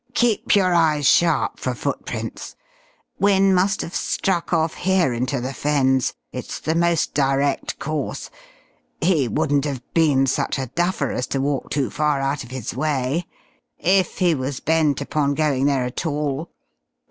"Keep your eyes sharp for footprints. Wynne must have struck off here into the Fens, it's the most direct course. He wouldn't have been such a duffer as to walk too far out of his way if he was bent upon going there at all....